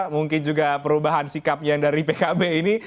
mungkin juga perubahan sikapnya dari pkb ini